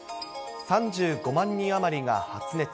３５万人余りが発熱。